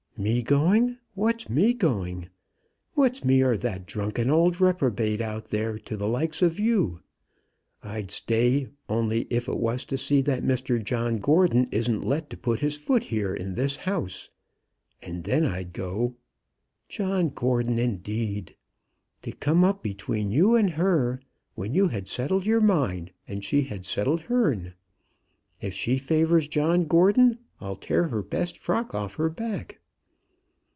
"Me going! What's me going? What's me or that drunken old reprobate out there to the likes of you? I'd stay, only if it was to see that Mr John Gordon isn't let to put his foot here in this house; and then I'd go. John Gordon, indeed! To come up between you and her, when you had settled your mind and she had settled hern! If she favours John Gordon, I'll tear her best frock off her back."